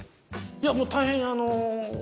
いやもう大変あの。